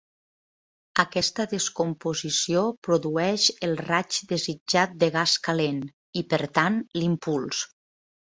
Aquesta descomposició produeix el raig desitjat de gas calent i, per tant, l'impuls.